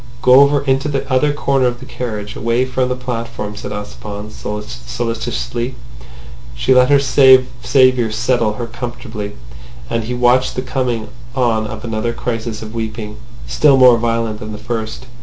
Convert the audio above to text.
"Go over into the other corner of the carriage, away from the platform," said Ossipon solicitously. She let her saviour settle her comfortably, and he watched the coming on of another crisis of weeping, still more violent than the first.